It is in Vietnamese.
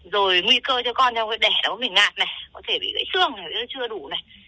rồi nguy cơ cho con cho con đẻ nó bị ngạt này có thể bị gãy xương này có thể nó chưa đủ này